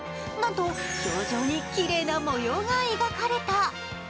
なんと氷上にきれいな模様が描かれた。